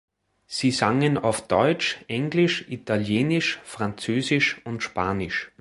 Sie sangen auf Deutsch, Englisch, Italienisch, Französisch und Spanisch.